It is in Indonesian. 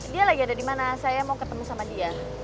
dia lagi ada dimana saya mau ketemu sama dia